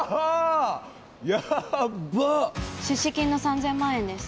ヤッバ出資金の３０００万円です